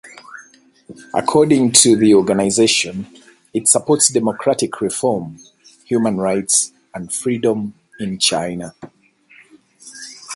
According to the organization, it supports democratic reform, human rights, and freedom in China.